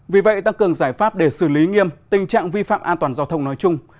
vì vậy tăng cường giải pháp để xử lý nghiêm tình trạng vi phạm an toàn giao thông nói chung